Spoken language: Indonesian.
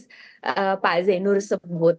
persis pak zenur sebut